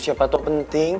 siapa tuh yang penting